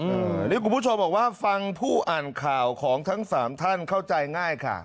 อันนี้คุณผู้ชมบอกว่าฟังผู้อ่านข่าวของทั้งสามท่านเข้าใจง่ายค่ะ